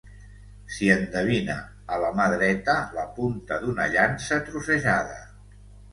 S'hi endevina, a la mà dreta, la punta d'una llança trossejada.